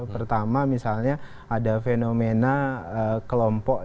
pertama misalnya ada fenomena kelompok